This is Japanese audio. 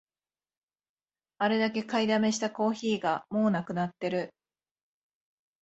あれだけ買いだめしたコーヒーがもうなくなってる